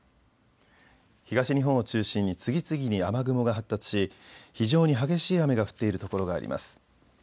東日本を中心に次々に雨雲が発達し非常に激しい雨が降っている所があります。